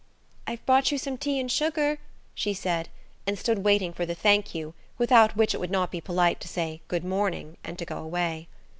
"I've brought you some tea and sugar," she said, and stood waiting for the "Thank you," without which it would not be polite to say "Good morning" and to go away.